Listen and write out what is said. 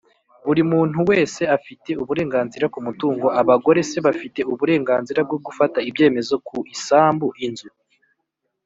buri muntu wese afite uburenganzira ku mutungo abagore se bafite uburenganzira bwo gufata ibyemezo ku isambu, inzu,